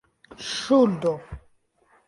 ŝuldo